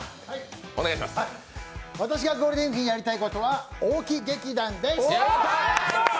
私がゴールデンウイークにやりたいことは大木劇団です。